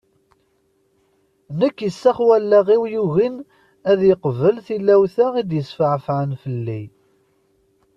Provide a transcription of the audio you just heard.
Nekk isax wallaɣ-iw yugin ad yeqbel tilawt-a i d-yefɛefɛen fell-i.